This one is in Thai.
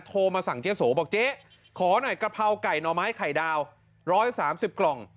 โทรมาสั่งเจ๊โสบอกเจ๊ขอหน่อยกะเพราไก่หน่อไม้ไข่ดาว๑๓๐กล่อง